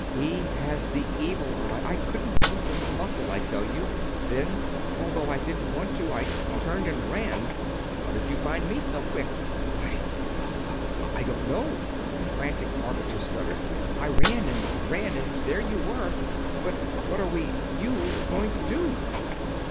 He has the evil eye I couldn't move a muscle, I tell you! Then, although I didn't want to, I turned and ran!" "How did you find me so quick?" "I I I don't know," the frantic Arbiter stuttered. "I ran and ran, and there you were. But what are we you going to do?"